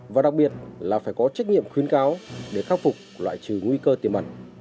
và đặc biệt là phải có trách nhiệm khuyến cáo để khắc phục loại trừ nguy cơ tiềm ẩn